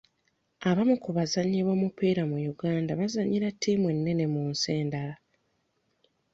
Abamu ku bazannyi b'omupiira mu Uganda bazannyira ttiimu ennene mu nsi endala.